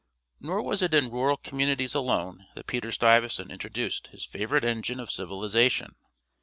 Nor was it in rural communities alone that Peter Stuyvesant introduced his favorite engine of civilization.